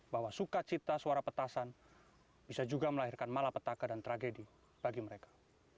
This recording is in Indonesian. bahwa sukacita suara petasan bisa juga melahirkan malapetaka dan tragedi bagi mereka